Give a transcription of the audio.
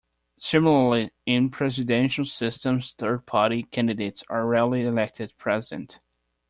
Similarly, in presidential systems, third-party candidates are rarely elected president.